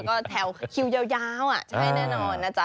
ก็แถวคิวยาวใช่แน่นอนนะจ๊ะ